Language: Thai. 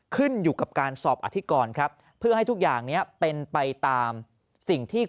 ขึ้นอยู่กับการสอบอธิกรครับเพื่อให้ทุกอย่างนี้เป็นไปตามสิ่งที่